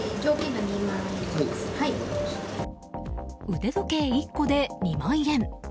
腕時計１個で２万円。